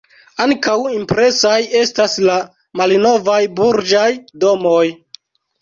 Ankaŭ impresaj estas la malnovaj burĝaj domoj.